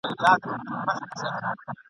زما لمسیو کړوسیو ته پاتیږي ..